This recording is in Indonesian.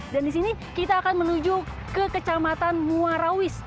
dan di sini kita akan menuju ke kecamatan muarawis